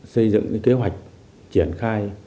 xây dựng kế hoạch triển khai